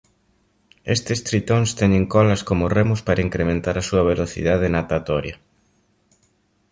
Estes tritóns teñen colas como remos para incrementar a súa velocidade natatoria.